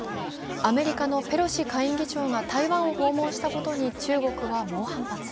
アメリカのペロシ下院議長が台湾を訪問したことに中国は猛反発。